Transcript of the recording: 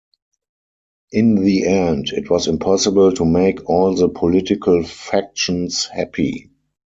In the end, it was impossible to make all the political factions happy.